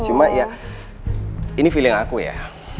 cuma ya ini feeling aku ya